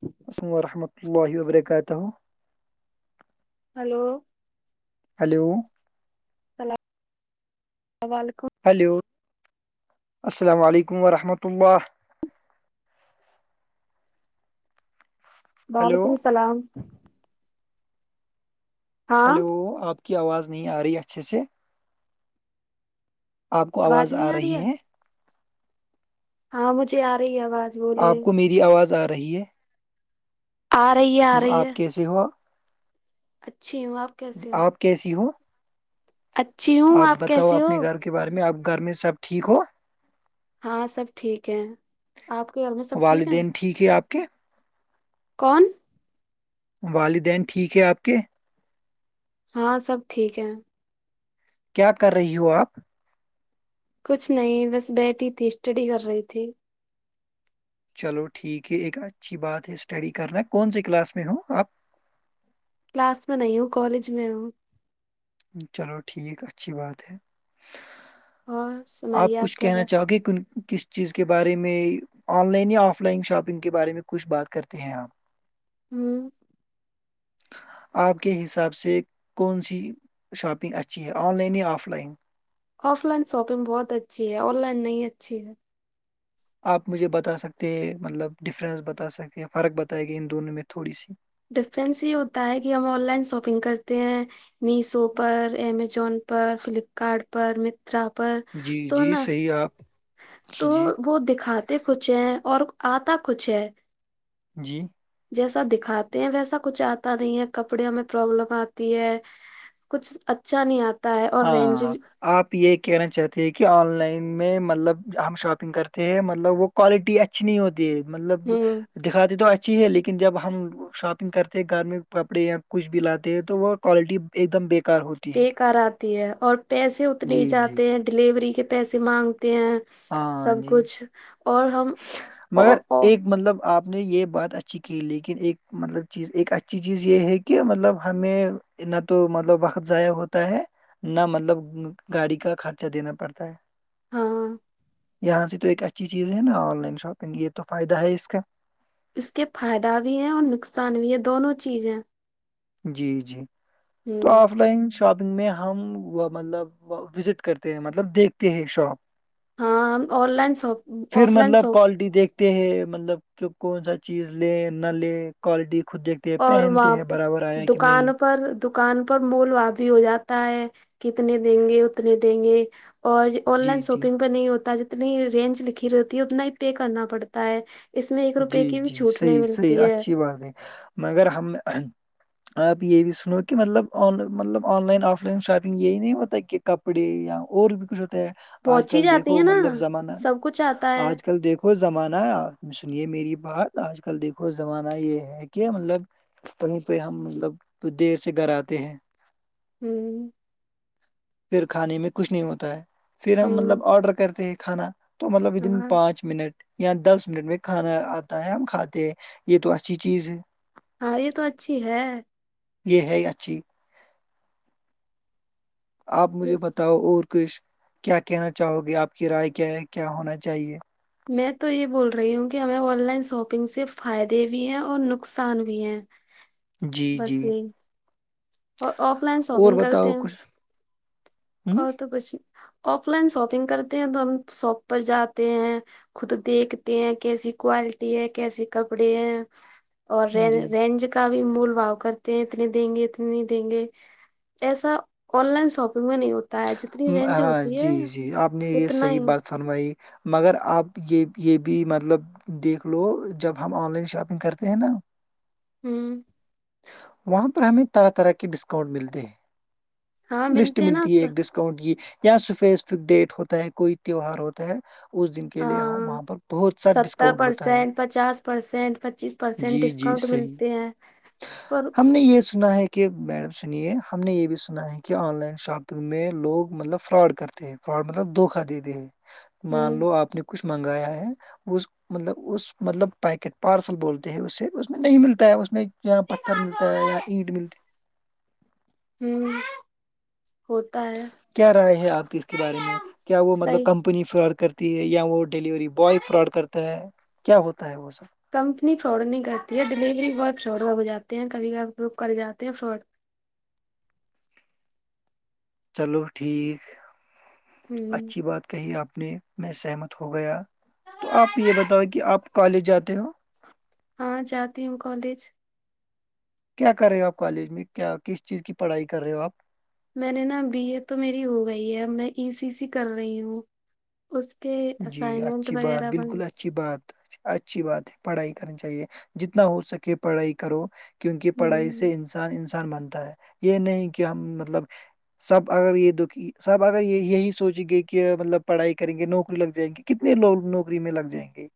ہ [inaudible] [inaudible] وسم ورحمۃہ اللہ و برکاتہ ہلو ہیلو السلام وعلیکم [unintelligible] ہیلو السلام علیکم ورحمۃ اللہ ہلو وعلیکم السلام ہاں ہلو آپ کی آواز نہیں آ رہی اچھے سے آپ کو آواز آ رہی ہے ہاں مجھے آ رہی ہے آواز بولیے آپ کو میری آواز آ رہی ہے ارہی ہے آ رہی ہے آپ کیسے ہوا اچھی ہوں آپ کیسے ہو آپ کیسی ہو اچھی ہوں آپ بتاؤ کیسے ہو اپنے گھر کو کے بارے میں آپ گھر میں سب ٹھیک ہو ہاں سب ٹھیک ہے آپ کے گھر میں سب ٹھیک ہے والدین ٹھیک ہے آپ کے کون والدین ٹھیک ہے آپ کے ہاں سب ٹھیک ہے کیا کر رہی ہو آپ کچھ نہیں بس بیٹھی تھی اسٹڈی کر رہی تھی چلو ٹھیک ہے ایک اچھی بات ہے اسٹڈی کرنا کون سے کلاس میں ہو آپ کلاس میں نہیں ہوں کالج میں ہوں چلو ٹھیک اچھی بات ہے اور آپ سنائیے کچھ کیا کر کہنا چاہو گے کس چیز کے بارے میں آن لائن یا آف لائن شاپنگ کے بارے میں کچھ بات کرتے ہیں آپ ہوں آپ کے حساب سے کون سی شاپنگ اچھی ہے آن لائن یا offline offline shopping بہت اچھی ہے آن لائن نہیں اچھی ہے آپ مجھے بتا سکتے ہیں مطلب ڈفرینس بتا سکتے ہیں فرق بتائے گی ان دونوں میں تھوڑی سی ڈفرنس یہ ہوتا ہے کہ ہم آن لائن شاپنگ کرتے ہیں میسو پر امزون پر فلپکارٹ پر متا پر تو نا ج آپ تو جی [unintelligible] وہ دکھاتے کچھ ہیں اور آتا کچھ ہے جی جیسا دکھاتے ہیں ویسا کچھ آتا نہیں ہے کپڑے میں پروابلم آتی ہے کچھ اچھا نہیں آتا ہے اور رینج ہاں آپ یہ کہنا چاہتے ہیں کہ آن لائن میں مطلب ہم شاپنگ کرتے ہیں مطلب وہ کوالٹی اچ اچ نہیں ہوتی ہ مطلب دکھاتے تو ا [unintelligible] اچھی ہے لیکن جب ہم شاپنگ کرتے ہیں گھر میں کپڑے یا کچھ بھی لاتے ہیں تو وہ کوالٹی ایک دم بیکار ہوتی ہے کر آتی ہے اور پیسے اتنے جی ہی جی جاتے ہیں ڈیلیوری کے پیسے مانگتے ہیں ہاں سب جی جی کچھ اور ہم او مگر او ایک مطلب آپ ہم نے یہ بات اچھی کی لیکن ایک مطلب چیز ایک اچھی چیز یہ ہے کہ مطلب ہمیں نہ تو مطلب وقت ضائع ہوتا ہے [unintelligible] نہ مطلب گاڑی کا خرچہ دینا پڑتا ہے ہاں یہاں سے تو ایک اچھی چیز ہے نا آن لائن شاپنگ یہ تو فائدہ ہے اس کا اس کے فائدہ بھی ہے اور نقصان بھی ہے دونوں چیز ہیں جی جی تو ہوں آف لائن شاپنگ میں ہم مطلب وزٹ کرتے ہیں مطلب دیکھتے ہیں شاپ ہاں آن لائن شاپ پھر آف لائن مطلب شاپ کوالٹی دیکھتے مطلب کہ کون سا چیز لے نہ لے کوالٹی خود دیکھ اور پہنتے وہاں ہیں پہ برابر آیا کہ نہیں دکان پر دکان پر مول واابی ہو جاتا ہے کتنے دیں گے اتنے دیں گے اور آن لائن جی جی شاپنگ پہ نہیں ہوتا جتنی رینج لکھی رہتی ہے اتنا ہی پے کرنا پڑتا ہے [unintelligible] جی روپے کی بھی جی چھوٹ نہیں صحیح صحیح ملتی ہے اچھی بات ہے مگر ہم آپ یہ بھی سنو کہ مطلب آن مطلب online offline shopping یہی نہیں ہوتا کہ کپڑے یا اور بھی کچھ ہوتا ہے آج پہنچی کل جاتی ہے دیکھو نا مطلب زمانہ سب کچھ آتا ہے آج کل دیکھو ہو زمانہ ہے آپ سنیے میری بات آج کل دیکھو زمانہ یہ ہے کہ مطلب وہیں پہ ہم مطلب دیر سے گھر آتے ہیں ہوں پھر کھانے میں کچھ نہیں ہوتا ہے پھر ہم ہ مطلب آرڈر کرتے ہیں کھانا تو مطلب ودن ہاں پانچ منٹ یا دس منٹ میں کھانا آتا ہے ہم کھاتے ہیں یہ تو اچھی چیز ہے ہاں یہ تو اچھی ہے یہ ہے اچھی آپ یہ مجھے بتاؤ اور کچھ کیا کہنا چاہو گے آپ کی رائے کیا ہے کیا ہونا چاہیے میں تو یہ بول رہی ہوں کہ ہمیں آن لائن شاپنگ سے فائدے بھی ہیں اور نقصان بھی ہیں جی جی بس یہی اور آف لائن اور شاپنگ کرتے بتاؤ ہیں کچھ ہ اور تو کچھ آف لائن شاپنگ کرتے ہیں تو ہم شاپ پر جاتے ہیں خود دیکھتے ہیں کیسی کوالٹی ہے کیسے کپڑے ہیں اور رین جی رینج کا بھی مول بھؤ کرتے ہیں اتنے دیں گے نہیں دیں گے ایسا آن لائن شاپنگ میں نہیں ہوتا ہے جتنی رینج ہاں ہوتی ہے جی جی آپ نے یہ اتنا ہی صحیح بات فرمائی مگر آپ یہ یہ بھی مطلب دیکھ لو جب ہم آن لائن شاپنگ کرتے ہیں نا ہوں وہاں پر ہمیں طرح طرح کے ڈسکاؤنٹ ملتے ہیں ہاں لسٹ ملتے ہیں نا ملتی ہے ایک ڈسکاؤنٹ کی یا سپیسفک ڈیٹ ہوتا ہے کوئی تیوار ہوتا ہے اس دن کے لیے ہاں ہم وہاں پر بہت سا ستر ڈسکاؤنٹ ہوتا ہے پرسینٹ پچاس پرسینٹ پچیس پرسینٹ جی جی ڈسکاؤنٹ صحیح ملتے ہیں پر ہم نے یہ سنا ہے کہ میڈم سنیے ہم نے یہ بھی سنا ہے کہ آن لائن شاپنگ میں لوگ مطلب فراڈ کرتے ہیں فراڈ مطلب دھوکا دیتے ہے مان ہوں لو آپ نے کچھ منگایا ہے اس مطلب اس مطلب پیکٹ پارسل بولتے ہیں اس سے اس میں نہیں ملتا ہے اس میں اں پتھر ملتا ہے یااں اینٹ ملتی ہوں ہوتا ہے کیا رائے ہے آپ کی اس کے بارے میں کیا وہ مطلب صحیح کمپنی فراڈ کرتی ہے یا وہ ڈیلیوری بوائے فراڈ کرتا ہے کیا ہوتا ہے وہ سب کمپنی فراڈ نہیں کرتی ہے ڈلیوری بوائے فراڈ ہو جاتے ہیں کبھی کب گروپ کر جاتے ہیں فراڈ چلو ٹھیک ہوں اچھی بات کہی آپ نے میں سہمت ہو گیا تو آپ یہ بتاؤ کہ آپ کالج جاتے ہو ہاں جاتی ہوں کالج کیا کر رہے ہو آپ کالج میں کیا کس چیز کی پڑھائی کر رہے ہو آپ میں نے نا بی ایڈ تو میری ہو گئی ہے اب میں ای سی سی کر رہی ہوں اس کے جی اسائنمنٹ اچھی بات وغیرہ بن بالکل اچھی بات اچھی بات ہے پڑھائی کرنی چاہیے جتنا ہو سکے پڑھائی کرو کیونکہ پڑھائی ہوں سے انسان انسان مانتا ہے یہ نہیں کہ ہم مطلب سب اگر یہ د سب اگر یہی سوچیں گے کہ مطلب پڑھائی کریں گے نوکری لگ جائیں گی کتنے لوگ نوکری میں لگ جائیں گے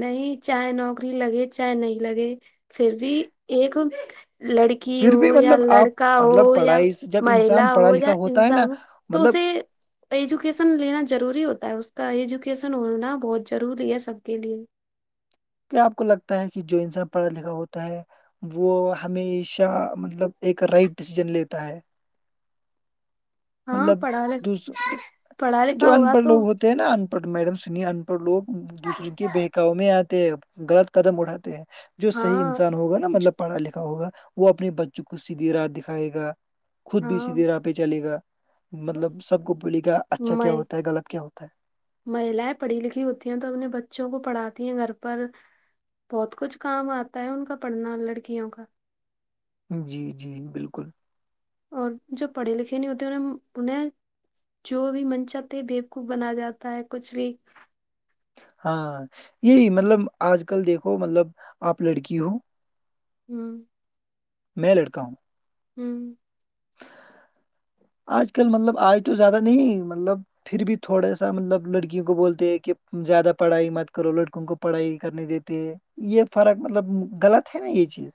نہیں چاہے نوکری لگے چاہے نہیں لگے پھر بھی ایک لڑک لکی پھر بھی ہو یا مطلب آپ لڑکا مطلب ہو یا پڑھائی سے جب مہلا انسان پڑھا ہو لکھا یا ہوتا ہے نا انسان ہو تو مطلب اسے ایجوکیشن لینا ضروری ہوتا ہے اس کا ایجوکیشن ہونا بہت ضروری ہے سب کے لیے کیا آپ کو لگتا ہے کہ جو انسان پڑھا لکھا ہوتا ہے وہ ہمیشہ مطلب ایک رائٹ ڈسیزن لیتا ہے ہاں مطلب پڑھا دوس پڑھا جو لکھا ان ہوا پڑھ تو لوگ ہوتے ہیں نا ان پڑھ میڈم سے نہیں ان پڑھ لوگ دوسرے کے بہکاؤ میں آتے غلط قدم اٹھاتے ہیں جو صحیح ہاں انسان ہوگا نا جو مطلب پڑھا لکھا ہوگا وہ اپنے بچوں کو سیدھی رات دکھائے گا خود بھی ہاں سیدھی رات پہ چلے گا مطلب سب کو بولیے گا اچھا کیا ہوتا ہے غلط کیا ہوتا ہے مہیلایں پڑھی لکھی ہوتی ہیں تو اپنے بچوں کو پڑھاتی ہیں گھر پر بہت کچھ کام آتا ہے ان کا پڑھنا لڑکیوں کا جی جی بالکل اور جو پڑھے لکھے نہیں ہوتے ان انہیں جو بھی منچ تھے بیوکوف بنا جاتا ہے کچھ بھی ہاں یہی مطلب آج کل دیکھو مطلب آپ لڑکی ہو ہوں میلڑکا ہوں ہوں آج کل مطلب آج تو زیادہ نہیں مطلب پھر بھی تھوڑا سا مطلب لڑکیوں کو بولتے ہیں کہ زیادہ پڑھائی مت کرو لڑکوں کو پڑھائی کرنے دیتے یہ فرق مطلب غلط ہے نا یہ چیز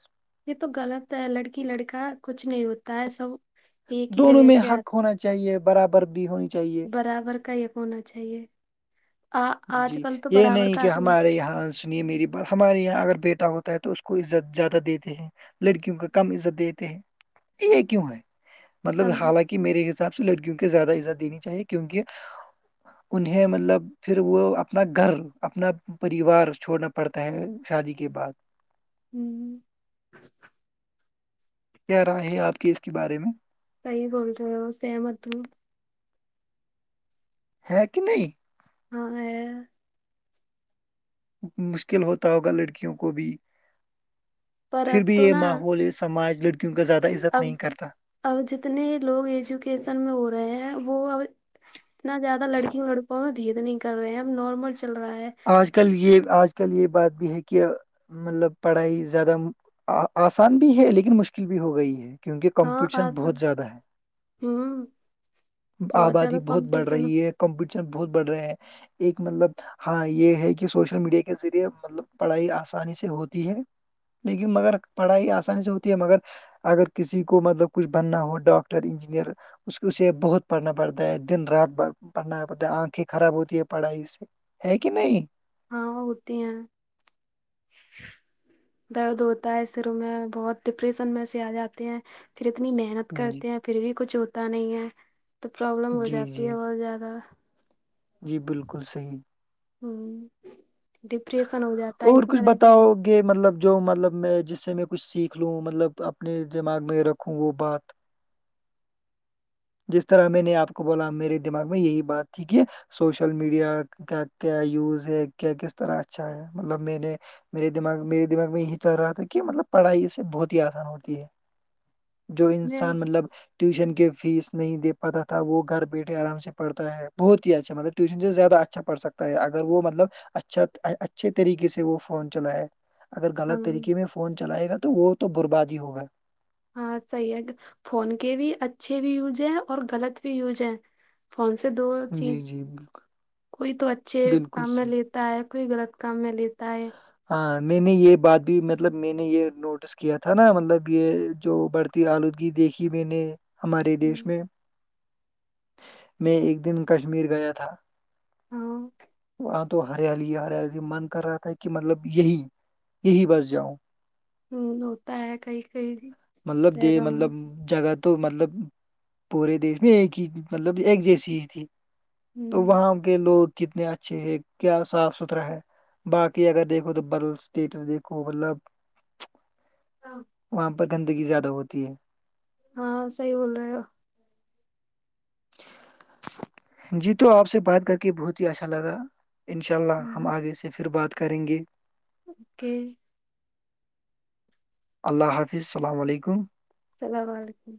یہ تو غلط ہے لڑکی لڑکا کچھ نہیں ہوتا ہے سب ایک ہی دونوں جگہ میں سے آ حق ہونا چاہیے برابر بھی ہونی چاہیے برابر کا ہونا چاہیے آ آج جی کل تو یہ برابر نہیں کا کہ ہ ہمارے یہاں سنیے میری بات ہمارے یہاں اگر بیٹا ہوتا ہے تو اس کو عزت زیادہ دیتے ہیں لڑکیوں کو کم عزت دی دیتے ہیں یہ کیوں ہے مطلب حالانکہ میرے حساب سے لڑکیوں کے زیادہ ازت دینی چاہیے کیونکہ انہیں مطلب پھر وہ اپنا گھر اپنا پریوار چھوڑنا پڑتا ہے شادی کے بعد ہوں [inaudible] کیا رائے ہے آپ کی اس کے بارے میں کئی بول رہے ہو سیمت ہ کہ نہیں ہاں مشکل ہوتا ہوگا لڑکیوں کو بھی پر پھر اب بھی تو یہ نا ماحول یہ سماج لڑکیوں کا زیادہ عزت اب نہیں کرتا اب جتنے لوگ ایجوکیشن میں ہو رہے ہیں وہ اب اتنا زیادہ لڑکیوں لڑکوںں میں بھید نہیں کر رہے ہیں ا ہم نارمل چل رہا ہے آج کل یہ آج کل یہ بات بھی ہے کہ مطلب پڑھائی زیادہ آسان بھی ہے لیکن مشکل بھی ہو گئی ہے کیونکہ ہاں کمپٹیشن آسم بہت زیادہ ہے ہوں آبادی زیادہ بہت بڑھ کمپٹیشن رہی ہے کمپٹیشن بہت بڑھ رہے ہیں ایک مطلب ہاں یہ ہے کہ سوشل میڈیا کے ذریعے مطلب پڑھائی آسانی سے ہوتی ہے لیکن مگر پڑھائی آسانی سے ہوتی ہے مگر اگر کسی کو مطلب کچھ بننا ہو ڈاکٹر انجینئر اس اسے بہت پڑھنا پڑتا ہے دن رات پڑھنا پڑتا ہے آنکھیں خراب ہوتی ہے پڑھائی سے ہے کہ نہیں ہاں وہ ہوتی ہیں درد ہوتا ہے سر میں بہت ڈپریشن میں سے آ جاتے ہیں پھر اتنی محنت جی کرتے ہیں پھر بھی کچھ ہوتا نہیں ہے تو پرابلم ہو جی جاتی ہے جی اورہت زیادہ جی بالکل صحیح ہوں ڈپریشن ہو جاتا ہے ایک طرح کا کہ مطلب جو مطلب میں جس سے میں کچھ سیکھ لوں مطلب اپنے دماغ میں رکھوں وہ بات جس طرح میں نے آ کو بولا میرے دماغ میں یہی بات تھی کہ سوشل میڈیا کا کیا یوز ہے کیا کس طرح اچھا ہے مطلب میں نے میرے دماغ میرے دمغ میں یہی چل رہا تھا کہ مطلب پڑھائی سے بہت ہی آسان ہوتی ہے جو انسان مطلب ٹیوشن کے فیس نہیںے پاتا تھا وہ گھر بیٹھے آام پڑھتا ہے بہت ہی اچھا مطلب ٹیوشن سے زیادہ اچھا پڑھکتا اگر وہ مطلب اچھا اچھے طریقے سے وہ فون چلائے اگر ہاں غلط طریقے میں فون چلائے گا تو وہ تو برباد ہی ہوگا ہاں صحیح ہے کہ فون کے بھی اچھے بھی یوج ہیں اور غلط بھی یوج ہے فون سے دو چیز جی جی بالکل کوئی تو اچھے بالکل کام میں صحیح لی تا ہے کوئی غلط کام میں لیتا ہے ہاں میں نے یہ بات بھی مطلب میں نے یہ نوٹس کیا تھا نا مطلب یہ جو بڑھتی آلودگی دیکھی میں نے ہمارے دیش میں میں ایک دن کشمیر گیا تھا ہاں ہاں تو ہریالی ہریالی من کر رہا تھا کہ مطلب یہی یہی بس جاؤ ہ ہوتا ہے کئی کئی بھی مطلب دے سرو مطلب جگہ تو مطلب پورے دیش میں ایک ہی مطلب ایک جیسی ہی تھی تو میں وہاں کے لوگ کتنے اچھے ہے کیا صاف ستھرا ہے باقی اگر دیکھو تو بدل اسٹیٹس دیکھو مطلب وہاں پر گندگی زیادہ ہوتی ہے ہاں صحیح بول رہے ہو جی تو آپ سے بات کر کے بہت ہی اچھا لگا ان شاء اللہ ہم آگے سے پھر بات کریں گے اوکے اللہ حافظ السلام علیکم السلام علیکم